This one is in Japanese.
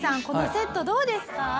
このセットどうですか？